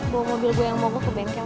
bawa mobil gue yang mau gue ke bengkel